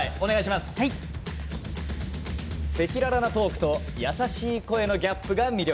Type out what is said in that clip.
赤裸々なトークと優しい声のギャップが魅力！